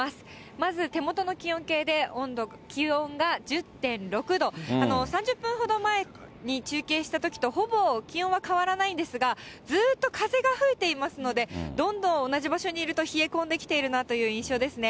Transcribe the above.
まず、手元の気温計で気温が１０．６度、３０分ほど前に中継したときとほぼ気温は変わらないんですが、ずっと風が吹いていますので、どんどん同じ場所にいると、冷え込んできているなという印象ですね。